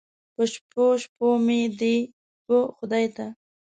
په شپو، شپو مې دې و خدای ته